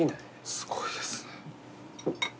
すごいですね。